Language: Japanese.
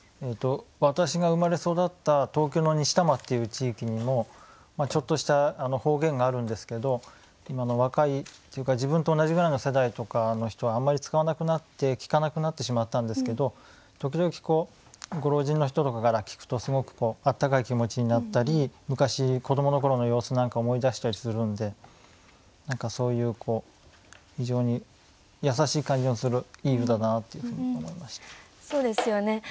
私が生まれ育った東京の西多摩っていう地域にもちょっとした方言があるんですけど今の若いというか自分と同じぐらいの世代とかの人はあまり使わなくなって聞かなくなってしまったんですけど時々ご老人の人とかから聞くとすごく温かい気持ちになったり昔子どもの頃の様子なんか思い出したりするんで何かそういう非常に優しい感じのするいい歌だなっていうふうに思いましたね。